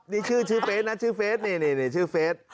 นี่ชื่อเฟซนะชื่อเฟซนี่ชื่อเฟซ